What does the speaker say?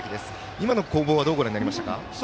今の攻防はどうご覧になりましたか。